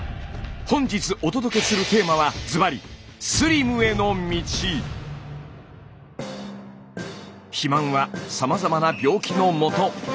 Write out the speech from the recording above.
本日お届けするテーマはずばり肥満はさまざまな病気のもと。